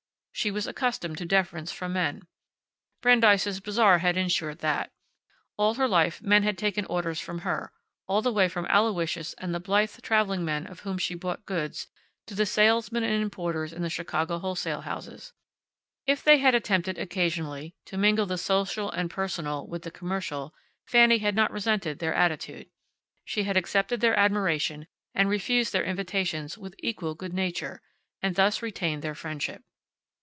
She was accustomed to deference from men. Brandeis' Bazaar had insured that. All her life men had taken orders from her, all the way from Aloysius and the blithe traveling men of whom she bought goods, to the salesmen and importers in the Chicago wholesale houses. If they had attempted, occasionally, to mingle the social and personal with the commercial Fanny had not resented their attitude. She had accepted their admiration and refused their invitations with equal good nature, and thus retained their friendship.